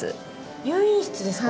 入院室ですか？